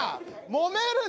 もめる